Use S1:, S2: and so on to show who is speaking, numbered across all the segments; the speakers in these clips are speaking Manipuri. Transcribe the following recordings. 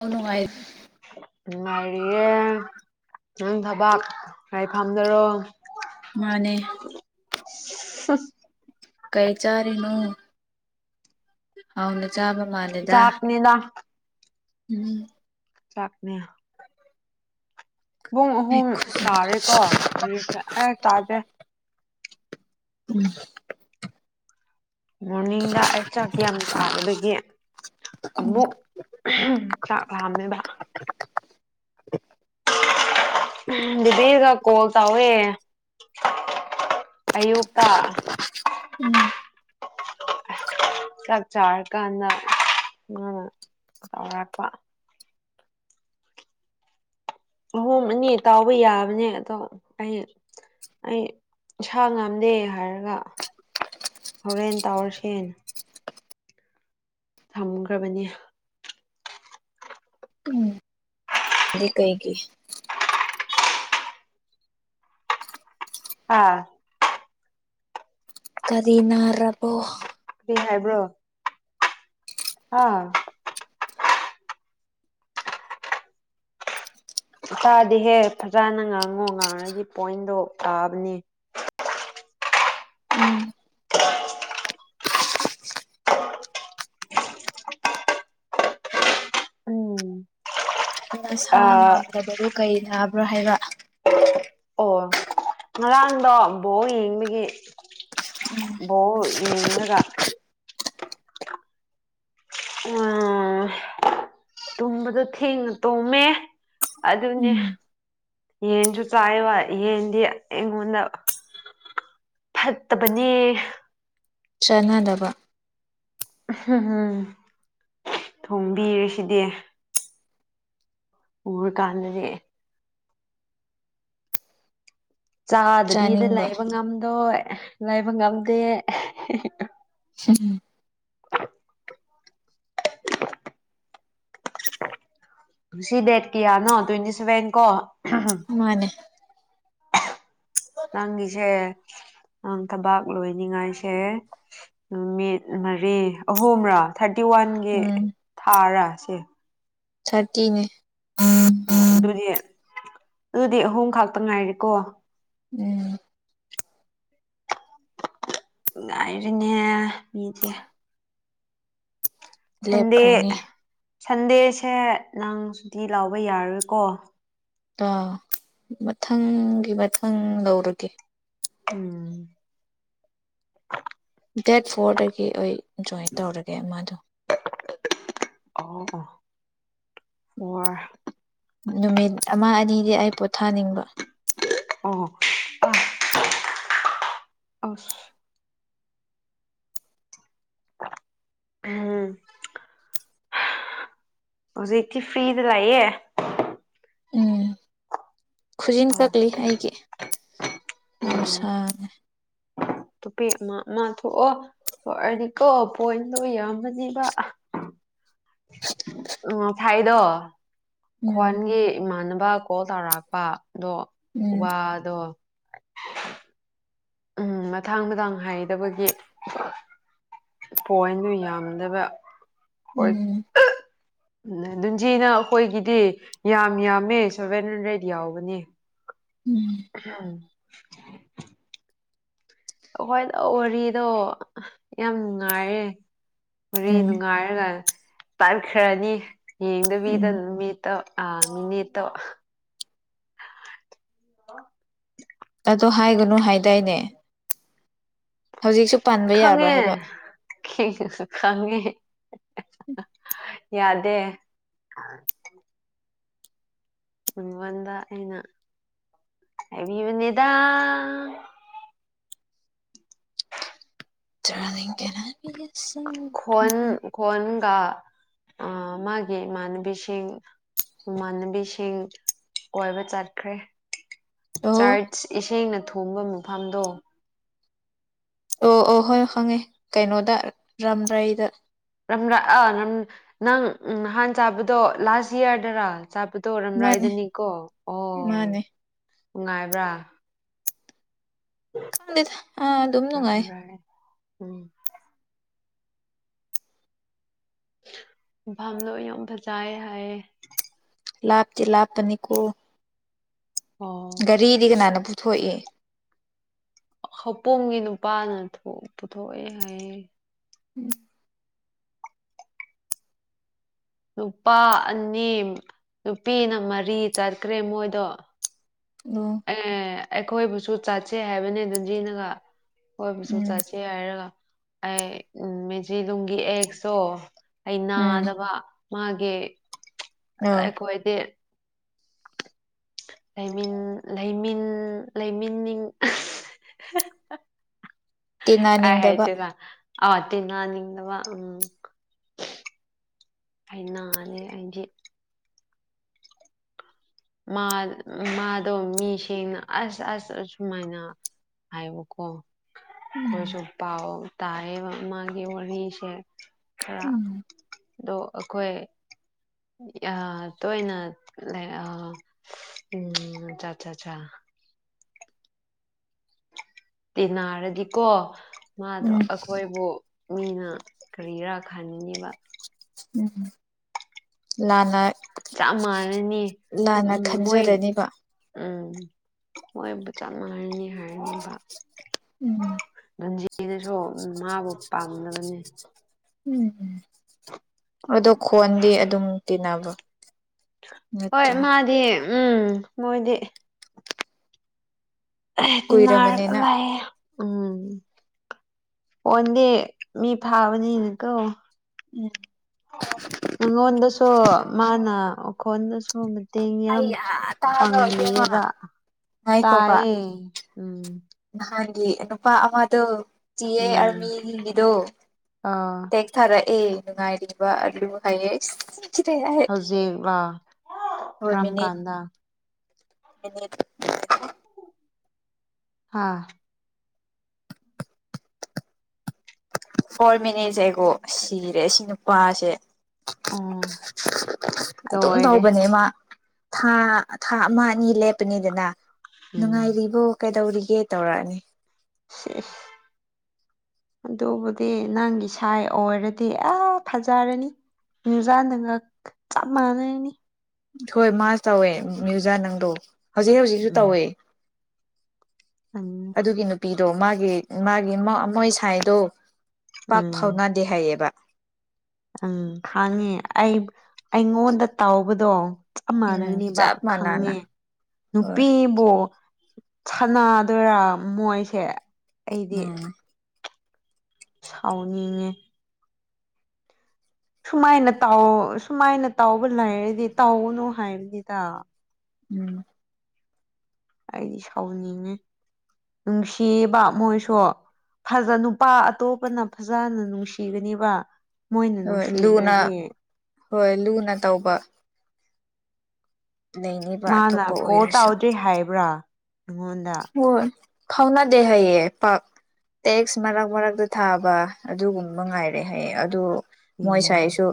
S1: ꯑꯧ ꯅꯨꯡꯉꯥꯏ
S2: ꯃꯔꯤ ꯅꯪ ꯊꯕꯥꯛ ꯀꯔꯤ ꯐꯥꯝꯗꯔꯣ
S1: ꯃꯥꯅꯦ
S2: ꯍꯠ
S1: ꯀꯩ ꯆꯥꯔꯅꯨ ꯍꯥꯎꯅ ꯆꯥꯕ ꯃꯥꯜꯂꯦꯗ
S2: ꯆꯥꯛꯅꯤꯗ
S1: ꯎꯝ
S2: ꯆꯀꯅꯦ ꯄꯨꯡ ꯑꯍꯨꯝ ꯇꯥꯔꯦꯀꯣ ꯍꯧꯖꯤꯦ ꯑꯦ ꯇꯥꯗꯦ
S1: ꯎꯝ
S2: ꯃꯣꯔꯅꯤꯡꯗ ꯑꯩ ꯆꯥꯛ ꯀ ꯌꯥꯝ ꯊꯥꯗꯕꯒꯤꯦ ꯑꯃꯃꯨꯛ ꯆꯝꯃꯦꯕ
S1: [unintelligible]
S2: ꯕꯤꯒ ꯀꯣꯜ ꯇꯋꯦ ꯑꯌꯨꯛꯇ
S1: ꯎꯝ [unintelligible]
S2: ꯆꯥꯛ ꯆꯥꯔꯀꯥꯟꯗ ꯃꯥꯅ ꯆꯥꯎꯧꯔꯥꯛꯄ ꯑꯍꯣꯡ ꯑꯅꯤ ꯇꯥꯎꯕ ꯌꯥꯕꯅꯦ ꯑꯗꯣ ꯑꯩ ꯑꯩ ꯁꯥ ꯉꯥꯝꯗꯦ ꯍꯥꯏꯔꯒ ꯍꯣꯔꯦꯟ ꯇꯋꯔ ꯁꯦꯟ ꯊꯝꯈ꯭ꯔꯕꯅꯤ
S1: ꯑꯗꯨꯗꯤ ꯀꯩꯒꯤ
S2: ꯑꯥ
S1: ꯀꯔꯤꯅ ꯔꯔꯕꯣ
S2: ꯀꯔꯤ ꯍꯥꯏꯕ꯭ꯔꯣ ꯑ ꯏꯁꯆꯥꯗꯤꯍꯦ ꯐꯖꯅ ꯉꯥꯡꯉꯣ ꯉꯥꯡꯉꯒꯤ ꯄꯣꯏꯟꯗꯣ ꯇꯥꯕꯅꯦ
S1: [unintelligible] ꯎꯝ
S2: ꯎꯝ
S1: ꯅ ꯁꯥ
S2: ꯑ
S1: ꯉꯥꯡꯗꯕꯗꯨ ꯀꯩ ꯅꯥꯕ꯭ꯔꯣ ꯍꯥꯏꯕ
S2: ꯑꯣ ꯉꯔꯥꯡꯗꯣ ꯕꯣꯛ ꯌꯦꯡꯕꯒꯤ
S1: ꯎꯝ
S2: ꯣ ꯏꯡꯂ ꯀ ꯎꯝ ꯇꯨꯝꯕꯗꯣ ꯊꯦꯡꯅ ꯇꯣꯝꯃꯦ ꯑꯗꯨꯅꯦ
S1: ꯎꯝ
S2: ꯌꯦꯟꯁꯨ ꯆꯥꯏꯕ ꯌꯦꯟꯗꯤ ꯌꯦꯉꯣꯟꯗ ꯐꯠꯇꯕꯅꯦ
S1: ꯆꯅꯥꯗꯕ
S2: ꯎꯝꯝ ꯊꯣꯡꯕꯤꯔꯁꯤꯗꯤ ꯎꯔ ꯀꯥꯟꯗꯔꯦ ꯆꯥꯗꯕꯤꯗ
S1: ꯆꯥꯅꯤꯡꯕ
S2: ꯂꯩꯕ ꯉꯝꯗꯣꯏ ꯂꯩꯕ ꯉꯝꯗꯦ
S1: ꯎꯝ
S2: [unintelligible] ꯁꯤ ꯗꯦꯠ ꯀꯌꯥ ꯅ ꯇ꯭ꯋꯦꯟꯇꯤ ꯁꯚꯦꯟ ꯀꯣ
S1: ꯃꯥꯅꯦ
S2: ꯇꯪꯉꯤꯤꯁꯦ
S1: [unintelligible]
S2: ꯅ ꯊꯕꯥꯛ ꯂꯣꯏꯅꯤꯡꯉꯥꯏꯁꯦ ꯅꯨꯃꯤꯠ ꯃꯔꯤ ꯑꯍꯨꯝꯔꯥ ꯊꯥꯔ ꯇꯥꯇꯤ ꯋꯥꯟꯒꯤ
S1: ꯎꯝ
S2: ꯊꯥꯔ ꯁꯤꯦ
S1: ꯊꯥꯔꯇꯤꯅꯦ
S2: ꯑꯣ
S1: ꯎꯝ
S2: ꯑꯗꯨꯗꯤ ꯑꯗꯨꯗꯤ ꯑꯍꯨꯝ ꯈꯥꯛꯇ ꯉꯥꯏꯔꯤꯀꯣ
S1: ꯎꯝ
S2: ꯉꯥꯏꯔꯤꯅꯦ ꯃꯤꯗꯤ ꯁꯟꯗꯦ
S1: ꯂꯦꯞꯈ꯭ꯔꯅꯤ
S2: ꯁꯟꯗꯦꯁꯦ ꯅꯪ ꯁꯨꯇꯤ ꯂꯥꯎꯕ ꯌꯥꯔꯔꯣꯏꯀꯣ
S1: ꯑꯥ ꯃꯊꯪꯒꯤ ꯃꯊꯪ ꯂꯧꯔꯒꯦ
S2: ꯎꯝ
S1: ꯗꯦꯠ ꯐꯣꯔꯗꯒꯤ ꯑꯩ ꯖꯣꯏꯟ ꯇꯧꯔꯒꯦ ꯃꯥꯗꯣ
S2: ꯑ ꯍ [inaudible]
S1: ꯅꯨꯃꯤꯠ ꯑꯃ ꯑꯅꯤꯗꯤ ꯑꯩ ꯄꯣꯊꯥꯅꯤꯡꯕ
S2: ꯑ ꯑ ꯑ [unintelligible] ꯎꯝ [inaudible] ꯍꯧꯖꯤ ꯇꯤ ꯐ꯭ꯔꯤꯗ ꯂꯥꯏꯌꯦ
S1: ꯎꯝ ꯈꯨꯖꯤꯟ
S2: ꯑ
S1: ꯀꯛꯂꯤ ꯑꯩꯒꯤ ꯅꯨꯡꯁꯥꯁ [inaudible]
S2: ꯇꯣꯄꯦ ꯑꯃ ꯑꯃ ꯊꯣꯛꯑꯣ ꯊꯣꯛꯔꯗꯤꯀꯣ ꯄꯣꯏꯟ ꯂꯣ ꯌꯥꯔꯝꯃꯅꯤꯕ
S1: [unintelligible] [inaudible]
S2: ꯎ ꯊꯥꯏꯗ [inaudible]
S1: ꯎꯝ
S2: ꯈ꯭ꯋꯥꯟꯒꯤ ꯏꯃꯥꯟꯅꯕ ꯀꯣꯜ ꯇꯧꯔꯛꯄ ꯑꯗꯣ
S1: ꯎꯝ
S2: ꯋꯥꯗꯣ ꯎꯝ ꯃꯊꯥꯡ ꯃꯊꯥꯡ ꯍꯥꯏꯗꯕꯒꯤ ꯄꯣꯏꯟꯗꯨ ꯌꯥꯝꯗꯕ
S1: ꯎꯝ
S2: ꯎꯝ ꯟꯖꯤꯅ ꯑꯩꯈꯣꯏꯒꯤꯗꯤ ꯌꯥꯝ ꯌꯥꯝꯃꯦ ꯁꯦꯚꯦꯟ ꯍꯟꯗ꯭ꯔꯦꯗ ꯌꯥꯎꯕꯅꯦ
S1: ꯎꯝ
S2: ꯎꯝ ꯑꯩꯈꯣꯏꯅ ꯋꯥꯔꯤꯗꯣ ꯌꯥꯝꯉꯥꯏꯔꯦ ꯃꯔꯤ
S1: ꯎꯝ
S2: ꯅꯨꯡꯉꯥꯏꯔꯒ ꯇꯥꯏꯈ꯭ꯔꯅꯤ
S1: ꯎꯝ
S2: ꯌꯦꯡꯗꯕꯤꯗ ꯅꯨꯃꯤꯠ [inaudible] ꯃꯤꯃꯤꯇꯣ
S1: ꯑꯗꯣ ꯍꯥꯏꯒꯅꯨ ꯍꯥꯏꯗꯥꯏꯅꯦ ꯍꯧꯖꯤꯛꯁꯨ ꯄꯥꯟꯕ ꯌꯥꯕ꯭ꯔꯥ ꯍꯥꯏꯕ
S2: ꯈꯪꯉꯦꯁꯨ [inaudible] ꯈꯪꯉꯦ ꯌꯥꯗꯦ ꯃꯉꯣꯟꯗ ꯑꯩꯅ ꯕꯤꯌꯅꯤꯗ
S1: ꯇ꯭ꯔꯥꯅꯤꯡ ꯀꯅ
S2: ꯀꯥ ꯑ ꯃꯥꯒꯤ ꯃꯅꯕꯤꯁꯤ ꯏꯃꯥꯟꯅꯕꯤꯁꯤꯡ ꯀꯣꯏꯕ ꯆꯠꯈ꯭ꯔꯦ
S1: ꯑꯣ
S2: ꯆꯔꯆ ꯏꯁꯦꯡꯅ ꯊꯣꯡꯕ ꯃꯐꯝꯗꯣ
S1: ꯑꯣ ꯑꯣ ꯍꯣꯏ ꯍꯪꯉꯦ ꯀꯩꯅꯣꯗ ꯔꯝꯗ꯭ꯔꯩꯗ
S2: ꯔꯝꯂꯥ ꯑ ꯅꯪ ꯅꯍꯥꯟ ꯆꯥꯕꯗꯣ ꯂꯥꯁ ꯌꯌꯥꯔꯗꯔꯥ ꯑꯆꯥꯄꯨꯊ
S1: ꯃꯥꯅꯦ
S2: ꯑꯣꯏꯔꯝꯗꯥꯏꯗꯅꯤꯀꯣ ꯑꯣ
S1: ꯃꯥꯅꯦ
S2: ꯅꯨꯡꯉꯥꯏꯕ꯭ꯔꯥ
S1: ꯈꯪꯗꯦꯗ ꯑꯥ ꯑꯗꯨꯝ ꯅꯨꯡꯉꯥꯏ
S2: ꯔꯝꯔꯥꯏ ꯎꯝ ꯐꯂꯣ ꯌꯨꯝ ꯐꯖꯌꯦ ꯍꯥꯏ
S1: ꯂꯥꯞꯇꯤ ꯂꯥꯞ ꯄꯅꯤ ꯀꯣ
S2: ꯑꯣ
S1: ꯒꯥꯔꯤꯗꯤ ꯀꯅꯥꯅ ꯄꯨꯊꯣꯛꯏ
S2: ꯍꯧꯄꯣꯝꯒꯤ ꯅꯨꯄꯥꯅ ꯄꯨꯊꯣꯛꯑꯦ ꯍꯥꯏꯌꯦ
S1: ꯎꯝ
S2: ꯅꯨꯄꯥ ꯑꯅꯤ ꯅꯨꯄꯤꯅ ꯃꯔꯤ ꯆꯠꯈ꯭ꯔꯦ ꯃꯣꯏꯗꯣ
S1: ꯑꯣ
S2: ꯑꯦ ꯑꯩꯈꯣꯏꯕꯨꯁꯨ ꯆꯥꯁꯦ ꯍꯥꯏꯕꯅꯦ ꯑꯗꯨꯟꯖꯤꯅꯒ ꯑꯩꯈꯣꯏꯕꯨꯁꯨ
S1: ꯎꯝ
S2: ꯆꯥꯠꯁꯦ ꯍꯥꯏꯔꯒ ꯑꯩ ꯎꯝ ꯃꯦꯖꯤꯂꯅꯨꯡꯒꯤ ꯑꯦꯛꯁꯨꯣ ꯑꯩ
S1: ꯎꯝ
S2: ꯅꯥꯗꯕ ꯃꯥꯒꯤ
S1: ꯑꯧ
S2: ꯑꯩꯈꯣꯏꯗꯤ ꯂꯩꯃꯤꯟ ꯂꯩꯃꯤꯟ ꯂꯩꯃꯤꯟ ꯀꯥꯏ
S1: ꯇꯤꯟꯅꯅꯤꯡꯗꯕ
S2: ꯍꯥꯏꯆꯦ ꯅ ꯑꯠꯇꯦꯡ ꯅ ꯅꯤꯡꯗ ꯋꯥ ꯎꯝ ꯑ ꯅꯅꯦ [inaudible] ꯑꯗꯤ ꯃꯥꯗꯣ ꯃꯤꯁꯤꯡꯦꯡꯅ ꯑꯁ ꯑꯁ ꯑ ꯁꯨꯃꯥꯏꯅ ꯍꯥꯏꯕ ꯀꯣ
S1: ꯎꯝ
S2: ꯑꯈꯣꯏꯁꯨ ꯄꯥꯎ ꯇꯥꯏꯌꯦꯕ ꯃꯥꯒꯤ ꯋꯔꯤꯁꯦ꯫
S1: ꯎꯝ꯫
S2: ꯑꯗꯣ ꯑꯩꯈꯣꯏ ꯇꯣꯏꯅ ꯂꯩr ꯎꯝ ꯆꯥ ꯆꯥ ꯆꯥ ꯇꯤꯟꯅꯔꯗꯤꯀꯣ ꯃꯥꯗꯣ
S1: ꯎꯝ
S2: ꯑꯩꯈꯣꯏꯕꯨ꯫ ꯃꯤꯅ ꯀꯔꯤꯔꯥ ꯈꯟꯅꯦꯕ꯫
S1: ꯎꯝ ꯂꯥꯟꯅ꯫
S2: ꯆꯞ ꯃꯥꯟꯅꯅꯤ
S1: ꯂꯥꯟꯅ
S2: ꯎꯝ ꯃꯣꯏ꯫
S1: ꯈꯟꯖꯔꯅꯤꯕ
S2: ꯎꯝ ꯃꯣꯏꯕꯤ ꯆꯥꯞ ꯃꯥꯟꯅꯔꯅꯤ ꯍꯥꯏꯔꯤꯕ꯫
S1: ꯎꯝ
S2: ꯑꯩꯅꯁꯨ ꯃꯥꯕꯨ ꯄꯥꯝꯗꯕꯅꯤ꯫
S1: ꯎꯝ ꯑꯗꯣ ꯈꯣꯟꯗꯤ ꯑꯗꯨꯝ ꯇꯤꯟꯅꯕꯔꯣ꯫
S2: ꯍꯣꯏ ꯃꯥꯗꯤ ꯎꯝ ꯃꯣꯏꯗꯤ꯫ ꯇꯤꯟꯅꯔꯒ
S1: ꯀꯨꯏꯔꯕꯅꯤꯅ
S2: ꯂꯩꯌꯦ꯫ ꯎꯝ ꯍꯣꯟꯗꯤ ꯃꯤ ꯐꯥꯕꯅꯤꯅꯀꯣ꯫
S1: ꯎꯝ꯫
S2: ꯃꯉꯣꯟꯗꯁꯨ ꯃꯥꯅ ꯑꯣꯈꯣꯟꯗꯁꯨ꯫ ꯃꯇꯦꯡ ꯌꯥꯝ
S1: ꯑꯩ ꯇꯥꯕ꯭ꯔꯣ ꯏꯕꯦꯝꯃ
S2: ꯄꯥꯡꯕꯤꯌꯦꯕ ꯇꯥꯏꯌꯦ ꯎꯝ꯫
S1: ꯍꯥꯏꯗꯤ ꯅꯨꯄꯥ ꯑꯃꯗꯨ꯫ ꯆꯤꯌꯦ
S2: ꯎꯝ
S1: ꯑꯔꯃꯤꯒꯤꯗꯣ
S2: ꯑꯥ
S1: ꯇꯦꯛ ꯊꯥꯔꯦ꯫ ꯑꯦ ꯅꯨꯡꯉꯥꯏꯔꯤꯕ ꯑꯗꯨ ꯍꯥꯏꯌꯦ꯫
S2: ꯍꯧꯖꯤꯛ ꯂꯣ
S1: ꯍꯣꯏ
S2: ꯀꯥꯔꯝ
S1: ꯃꯤꯅꯤꯠ
S2: ꯀꯥꯟꯗ꯫
S1: [unintelligible]
S2: ꯍꯥꯥ꯫
S1: ꯐꯣꯔ ꯃꯤꯅꯦꯠꯖ ꯑꯦꯒꯣ ꯁꯤꯔꯦ ꯁꯤ ꯅꯨꯄꯥꯁꯦ꯫
S2: ꯎꯝ
S1: ꯑꯗꯨꯝ
S2: ꯂꯣꯏꯔꯦ
S1: ꯇꯧꯕꯅꯦ ꯃꯥ꯫ ꯊꯥ ꯊꯥ ꯑꯃ ꯑꯅꯤ ꯂꯦꯞꯄꯅꯤꯗꯅ
S2: ꯎꯝ
S1: ꯅꯨꯡꯉꯥꯏꯔꯤꯕꯣ꯫ ꯀꯩꯗꯧꯔꯤꯒꯦ ꯇꯧꯔꯛꯑꯅꯤ꯫
S2: [unintelligible] ꯑꯗꯨꯕꯨꯗꯤ ꯅꯪꯒꯤ ꯁꯥꯏ ꯑꯣꯏꯔꯗꯤ ꯑꯥ ꯐꯖꯔꯅꯤ꯫ ꯅꯨꯖꯥꯟ ꯅꯉꯥꯛ ꯆꯞ ꯃꯥꯟꯅꯩꯅꯦ꯫
S1: ꯍꯣꯏ ꯃꯥꯁꯨ ꯇꯧꯋꯦ ꯃ꯭ꯌꯨꯖꯥ ꯅꯪꯗꯣ ꯍꯧꯖꯤꯛ ꯍꯧꯖꯤꯛꯁꯨ
S2: ꯎꯝ
S1: ꯇꯧꯋꯦ꯫
S2: ꯎꯝ
S1: ꯑꯗꯨꯒꯤ ꯅꯨꯄꯤꯗꯣ ꯃꯥꯒꯤ ꯃꯥꯒꯤ ꯃꯣꯏ ꯁꯥꯏꯗꯣ꯫ ꯄꯥꯛ
S2: ꯎꯝ
S1: ꯐꯥꯎꯅꯗꯦ ꯍꯥꯏꯌꯦꯕ꯫
S2: ꯎꯝ ꯈꯪꯉꯦ ꯑꯩ ꯑꯩꯉꯣꯟꯗ ꯇꯥꯎꯕꯗꯣ꯫ ꯆꯞ ꯃꯥꯟꯅꯩꯅꯦꯕ
S1: ꯆꯞ ꯃꯥꯟꯅꯅ
S2: ꯈꯪꯉꯦ
S1: ꯍꯣꯏ
S2: ꯅꯨꯄꯤꯕꯨ꯫ ꯁꯥꯟꯅꯗꯣꯏꯔꯥ ꯃꯣꯏꯁꯦ꯫ ꯑꯩꯗꯤ
S1: ꯎꯝ꯫
S2: ꯁꯥꯎꯅꯤꯡꯉꯦ꯫ ꯁꯨꯃꯥꯏꯅ ꯇꯧ ꯁꯨꯃꯥꯏꯅ ꯇꯧꯕ ꯂꯩꯔꯗꯤ ꯇꯧꯒꯅꯨ ꯍꯥꯏꯕꯅꯤꯗ꯫
S1: ꯎꯝ꯫
S2: ꯑꯩꯗꯤ ꯁꯥꯎꯅꯤꯡꯉꯦ ꯅꯨꯡꯁꯤꯕ ꯃꯣꯏꯁꯨ꯫ ꯐꯖ ꯅꯨꯄꯥ ꯑꯇꯣꯞꯄꯅ ꯐꯖꯅ ꯅꯨꯡꯁꯤꯒꯅꯦꯕ꯫ ꯃꯣꯏꯅ
S1: ꯍꯣꯏ ꯂꯨꯅ
S2: ꯅꯨꯡꯁꯤꯗꯔꯗꯤ꯫
S1: ꯍꯣꯏ ꯂꯨꯅ ꯇꯧꯕ꯫ ꯂꯩꯅꯤꯕ
S2: ꯃꯥꯅ
S1: ꯑꯇꯣꯞꯄ
S2: ꯀꯣꯜ
S1: ꯑꯣꯏꯔꯁꯨ
S2: ꯇꯧꯗ꯭ꯔꯤ ꯍꯥꯏꯕ꯭ꯔꯥ ꯅꯉꯣꯟꯗ꯫
S1: ꯍꯣꯏ ꯐꯥꯎꯅꯗꯦ ꯍꯥꯏꯌꯦ ꯄꯥꯛ꯫ ꯇꯦꯛꯁ ꯃꯔꯛ ꯃꯔꯛꯇ ꯊꯥꯕ ꯑꯗꯨꯒꯨꯝꯕ ꯉꯥꯏꯔꯦ ꯍꯥꯏꯌꯦ ꯑꯗꯨ꯫
S2: ꯎꯝ
S1: ꯃꯣꯏꯁꯥꯏꯁꯨ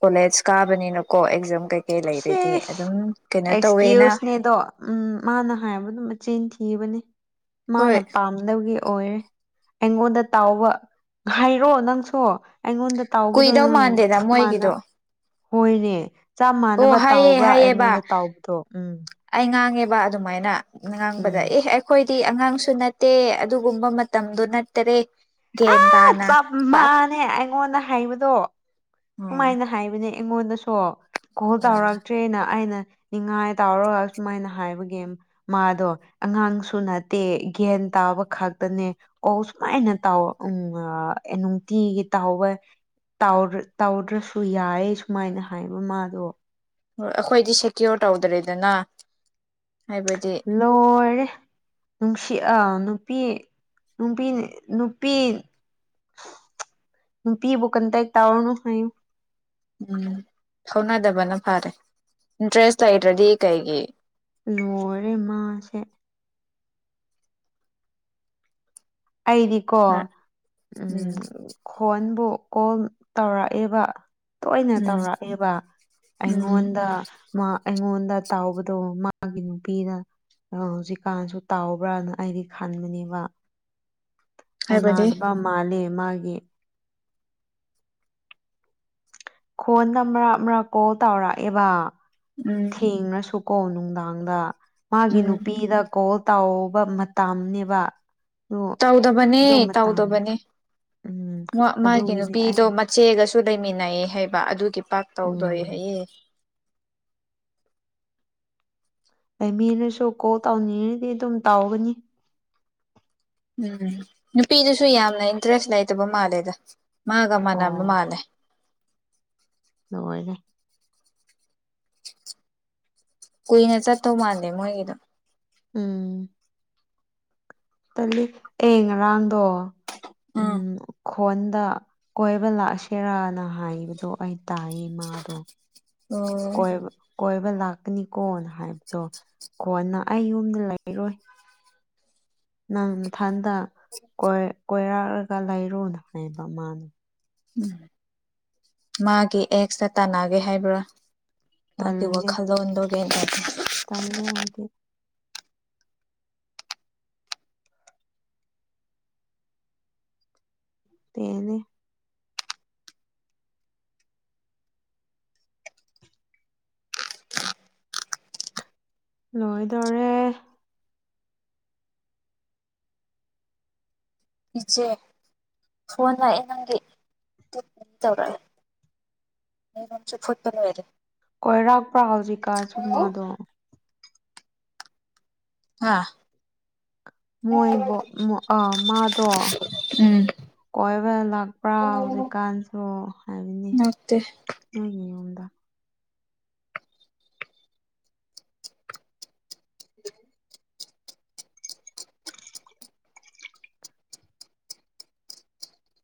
S1: ꯀꯣꯂꯦꯖ ꯀꯥꯕꯅꯤꯅꯀꯣ ꯑꯦꯛꯖꯥꯝ ꯀꯩꯩ
S2: ꯁꯤꯁ
S1: ꯇꯧꯋꯦꯅ
S2: ꯑꯦꯛꯁꯀ꯭ꯌꯨꯁꯅꯦꯗꯣ ꯎꯝ ꯃꯥꯅ ꯍꯥꯏꯕꯗꯨ ꯃꯆꯤꯟ ꯊꯤ ꯊꯤꯕꯅꯤ
S1: ꯍꯣꯏ
S2: ꯃꯥꯅ ꯄꯥꯝꯗꯕꯒꯤ ꯑꯣꯏꯔꯦ ꯑꯩꯉꯣꯟꯗ ꯇꯥꯎꯕ ꯍꯥꯏꯔꯣ ꯅꯪꯁꯨ ꯑꯩꯉꯣꯟꯗ ꯇꯥꯎꯕꯗꯣ
S1: ꯀꯨꯏꯗꯧ
S2: ꯅꯪ
S1: ꯃꯥꯟꯗꯦꯗ
S2: ꯆꯞ ꯃꯥꯟꯅ
S1: ꯃꯣꯏꯒꯤꯗꯣ
S2: ꯍꯣꯏꯔꯦ ꯆꯞ
S1: ꯑꯣ
S2: ꯃꯥꯟꯅꯕ
S1: ꯍꯥꯏꯌꯦ
S2: ꯇꯥꯎꯕ꯭ꯔꯥ
S1: ꯍꯥꯏꯌꯦꯕ
S2: ꯑꯩꯉꯣꯟꯗ ꯇꯥꯎꯕꯗꯣ ꯎꯝ
S1: ꯑꯩ ꯉꯥꯡꯉꯦꯕ ꯑꯗꯨꯃꯥꯏꯅ ꯉꯥꯡꯕꯗ
S2: ꯎꯝ
S1: ꯑꯦꯍ ꯑꯩꯈꯣꯏ ꯑꯉꯥꯡꯁꯨ ꯅꯠꯇꯦ ꯑꯗꯨꯒꯨꯝꯕ ꯃꯇꯝꯗꯣ ꯅꯠꯇꯔꯦ
S2: ꯑ
S1: ꯒ꯭ꯌꯥꯟ ꯇꯥꯅ
S2: ꯆꯞ
S1: ꯄꯥꯛ
S2: ꯃꯥꯟꯅꯦ ꯑꯩꯉꯣꯟꯗ ꯍꯥꯏꯕꯗꯣ
S1: ꯎꯝ
S2: ꯁꯨꯃꯥꯏꯅ ꯍꯥꯏꯕꯅꯦ ꯑꯩꯉꯣꯟꯗꯁꯨ ꯀꯣꯜ ꯇꯧꯔꯛꯇ꯭ꯔꯦꯅ ꯑꯩꯅ ꯅꯤꯡꯉꯥꯏ ꯇꯥꯎꯔꯒ ꯁꯨꯃꯥꯏꯅ ꯍꯥꯏꯕꯒꯤ ꯃꯥꯗꯣ ꯑꯉꯥꯡꯁꯨ ꯅꯠꯇꯦ ꯒꯟ ꯇꯥꯕ ꯈꯛꯇꯅꯦ ꯑꯣ ꯁꯨꯃꯥꯏꯅ ꯇ ꯎꯝ ꯅꯨꯡꯇꯤꯒꯤ ꯇꯥꯎꯕ ꯇꯧꯗ꯭ꯔꯁꯨ ꯌꯥꯏ ꯁꯨꯃꯥꯏꯅ ꯍꯥꯏꯕ ꯃꯥꯗꯣ
S1: ꯑꯩꯈꯣꯏꯗꯤ ꯁꯦꯀ꯭ꯌꯣꯔ ꯇꯧꯗ꯭ꯔꯦꯗꯅ ꯍꯥꯏꯕꯗꯤ
S2: ꯂꯣꯏꯦ ꯅꯨꯡꯁꯤ ꯑ ꯅꯨꯄꯤ ꯅꯨꯄꯤ ꯅꯨꯄꯤ
S1: [unintelligible]
S2: ꯄꯤꯕꯨ ꯀꯟꯇ ꯏ ꯇꯥꯥꯎꯅꯣ ꯍꯥꯏꯌꯨ
S1: ꯎꯝ ꯍꯧꯅꯗꯕꯅ ꯐꯔꯦ ꯏꯟꯇꯔꯦꯁ ꯂꯩꯗ꯭ꯔꯗꯤ ꯀꯩꯒꯤ
S2: ꯂꯣꯏꯔꯦ ꯃꯥꯁꯦ ꯑꯩꯗꯤꯀꯣ ꯎ
S1: ꯎꯝ
S2: ꯈꯣꯟꯕꯨ ꯀꯣꯜ ꯇꯧꯔꯛꯑꯦꯕ ꯇꯣꯏꯅ
S1: ꯎꯝ
S2: ꯇꯧꯔꯛꯑꯦꯕ
S1: ꯎꯝ
S2: ꯑꯩꯉꯣꯟꯗ ꯑꯩꯉꯣꯟ ꯗ ꯇꯥꯎꯕꯗꯣ ꯃꯥꯒꯤ ꯅꯨꯄꯤꯅ ꯑꯣ ꯍꯧꯖꯤꯛꯀꯥꯟꯁꯨ ꯇꯥꯎꯕ꯭ꯔꯥꯅ ꯑꯩꯗꯤ ꯈꯟꯕꯅꯦꯕ
S1: ꯍꯥꯏꯕꯗꯤ
S2: ꯐꯧꯅꯥꯗꯕ ꯃꯥꯜꯂꯦ ꯃꯥꯒꯤ ꯐꯣꯟꯗ ꯑꯃꯛ ꯃꯔꯛ ꯀꯣꯜ ꯇꯧꯔꯛꯑꯦꯕ
S1: ꯎꯝ
S2: ꯊꯦꯡꯅꯁꯨ ꯀꯣ ꯅꯨꯡꯗꯥꯡꯗ ꯃꯥꯒꯤ
S1: ꯎꯝ
S2: ꯅꯨꯄꯤꯗ ꯀꯣꯜ ꯇꯥꯎꯕ ꯃꯇꯝꯅꯦꯕ ꯑꯗꯨ
S1: ꯇꯧꯗꯕꯅꯦ
S2: ꯑꯗꯨ ꯃꯇꯝ
S1: ꯇꯧꯗꯕꯅꯦ
S2: ꯎꯝ
S1: ꯃꯥꯒꯤ
S2: ꯑꯗꯨꯒꯤꯅꯦ
S1: ꯅꯨꯄꯤꯗꯣ
S2: ꯑꯩ
S1: ꯃꯆꯦꯒꯁꯨ ꯇꯨ ꯂꯩꯃꯤꯟꯅꯩꯌꯦ ꯍꯥꯏꯕ ꯑꯗꯨꯒꯤ ꯄꯥꯛ
S2: ꯎꯝ
S1: ꯇꯧꯗꯣꯏ ꯍꯥꯏꯌꯦ
S2: ꯑꯗ ꯃꯤꯅꯁꯨ ꯀꯣꯜ ꯇꯧꯅꯤꯡꯉꯗꯤ ꯑꯗꯨꯝ ꯇꯥꯎꯒꯅꯤ
S1: ꯎꯝ ꯅꯨꯄꯤꯗꯨꯁꯨ ꯌꯥꯝꯅ ꯏꯟꯇꯔꯦꯁ ꯂꯩꯇꯕ ꯃꯥꯜꯂꯦꯗ ꯃꯥꯒ ꯃꯥꯅꯦ ꯃꯥꯅꯦ
S2: ꯂꯣꯏꯅꯦ
S1: ꯀꯨꯏꯅ ꯆꯠꯇꯧ ꯃꯥꯟꯗꯦ ꯃꯣꯏꯒꯤꯗꯣ
S2: ꯎꯝ ꯇꯂꯤ ꯑꯦ ꯉꯔꯥꯡꯗꯣ
S1: ꯑꯥ
S2: ꯐꯣꯟꯗ ꯀꯣꯏꯕ ꯂꯥꯛꯑꯁꯤꯔꯅ ꯍꯥꯏꯕꯗꯣ ꯑꯩ ꯇꯥꯏꯌꯦꯃꯗꯣ
S1: ꯑꯣꯝ
S2: ꯍꯥꯏꯕ ꯂꯥꯛꯀꯅꯤꯀꯣꯅ ꯍꯥꯏꯕꯗꯣ ꯀꯣꯟꯅ ꯑꯩ ꯌꯨꯝꯗ ꯂꯩꯔꯣꯏ ꯅꯪ ꯃꯊꯟꯗ ꯀꯣꯏꯔꯥꯛꯂꯒ ꯂꯩꯔꯨꯅ ꯍꯥꯏꯕ ꯃꯥꯅꯦ
S1: ꯎꯝ ꯃꯥꯒꯤ ꯑꯦꯛꯁꯇ ꯇꯥꯟꯅꯒꯦ ꯍꯥꯏꯕ꯭ꯔꯥ ꯃꯥ ꯏ ꯋꯥ ꯀꯜꯗ ꯑꯣꯟꯒ ꯌꯦ ꯍꯥꯏ
S2: ꯇꯥꯟꯗꯦ ꯍꯥꯏꯒꯤ ꯇꯅꯦ ꯂꯣꯏ ꯗꯔ
S1: ꯏꯆꯦ ꯐꯣꯟ ꯂꯥꯛꯑꯦ ꯅꯪꯒꯤ ꯇꯧꯔꯛꯑꯦ ꯆ ꯐꯠꯄ ꯑꯣꯏꯔꯦ
S2: ꯀꯣꯏꯔꯥꯛꯄ꯭ꯔꯥ ꯍꯧꯖꯤꯛꯀꯥ ꯁꯨꯝ ꯃꯥꯗꯣ
S1: ꯑꯥ
S2: ꯃꯣꯏꯕꯨ ꯑ ꯃꯥꯗꯣ ꯀꯣꯏꯕ ꯂꯥꯛꯄ꯭ꯔꯥ
S1: ꯎꯝ
S2: ꯍꯧꯖꯤꯛꯀꯥꯟꯁꯨ ꯍꯥꯏꯕꯅꯤ
S1: ꯅꯛꯇꯦ
S2: ꯑ [unintelligible]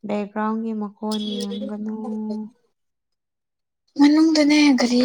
S2: ꯕꯦꯛꯒ꯭ꯔꯥꯎꯟꯒꯤ ꯃꯀꯣꯟ ꯌꯦꯡꯒꯅꯨ
S1: ꯃꯅꯨꯡꯗꯅꯦ ꯒꯥꯔꯤ